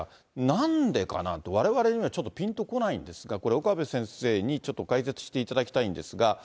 なんでかなと、われわれにはちょっとぴんとこないんですが、これ、岡部先生にちょっと解説していただきたいんですが。